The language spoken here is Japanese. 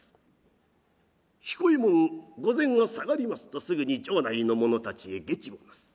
彦右衛門御前を下がりますとすぐに城内の者たちへ下知を出す。